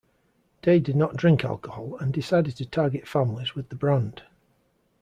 Day did not drink alcohol, and decided to target families with the brand.